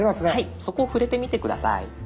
そこ触れてみて下さい。